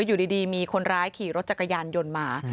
อยู่ดีมีคนร้ายขี่รถจักรยานยนต์มา